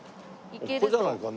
ここじゃないか？